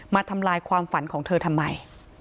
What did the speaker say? ทำลายความฝันของเธอทำไม